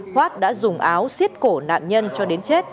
khoát đã dùng áo xiết cổ nạn nhân cho đến chết